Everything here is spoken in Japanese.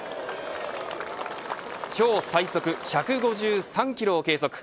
今日最速、１５３キロを計測。